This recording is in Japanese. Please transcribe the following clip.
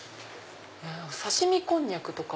刺し身こんにゃくとか。